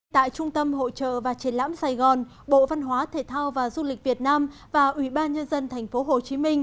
tại trung tâm hội trợ và triển lãm sài gòn bộ văn hóa thể thao và du lịch việt nam và ủy ban nhân dân tp hcm